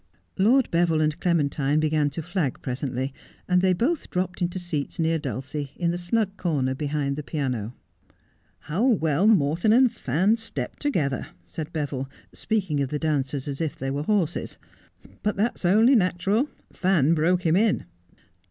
Lord Beville and Clementine began to flag presently, and they both dropped into seats near Dulcie, in the snug corner behind the piano. ' How well Morton and Fan step together !' said Beville, speaking of the dancers as if they were horses, ' but that's only natural. Fan broke him in.'